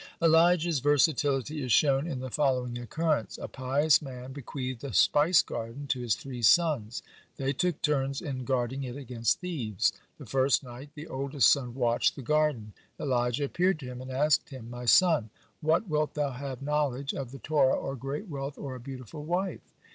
(60) Elijah's versatility is shown in the following occurrence. A pious man bequeathed a spice garden to his three sons. They took turns in guarding it against thieves. The first night the oldest son watched the garden. Elijah appeared to him and asked him: "My son, what wilt thou have knowledge of the Torah, or great wealth, or a beautiful wife?"